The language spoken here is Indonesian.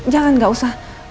jangan gak usah